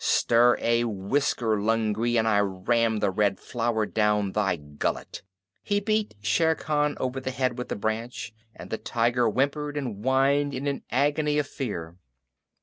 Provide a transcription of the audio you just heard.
Stir a whisker, Lungri, and I ram the Red Flower down thy gullet!" He beat Shere Khan over the head with the branch, and the tiger whimpered and whined in an agony of fear.